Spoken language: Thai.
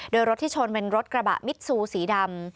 โดยรถที่ชนเป็นรถกระบะมิดซูสีดำ